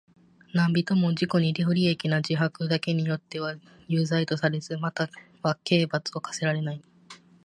何人（なんびと）も自己に不利益な自白だけによっては有罪とされず、または刑罰を科せられない。